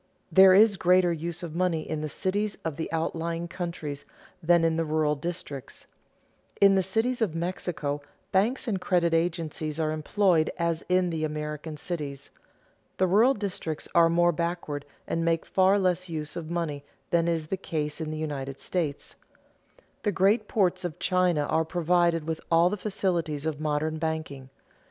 There is greater use of money in the cities of the outlying countries than in the rural districts. In the cities of Mexico banks and credit agencies are employed as in the American cities. The rural districts are more backward and make far less use of money than is the case in the United States. The great ports of China are provided with all the facilities of modern banking.